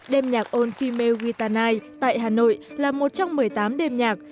đêm nhạc all female guitar night tại hà nội là một trong một mươi tám đêm nhạc